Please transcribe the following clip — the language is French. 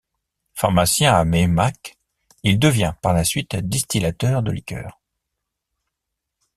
Pharmacien à Meymac, il devient par la suite distillateur de liqueurs.